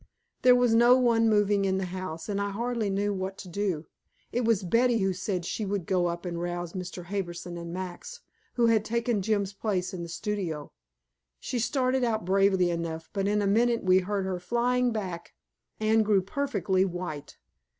There was no one moving in the house, and I hardly knew what to do. It was Betty who said she would go up and rouse Mr. Harbison and Max, who had taken Jim's place in the studio. She started out bravely enough, but in a minute we heard her flying back. Anne grew perfectly white.